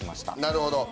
なるほど。